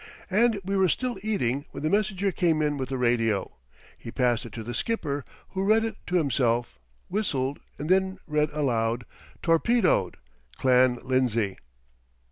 And we were still eating when the messenger came in with a radio. He passed it to the skipper, who read it to himself, whistled, and then read aloud: TORPEDOED CLAN LINDSAY.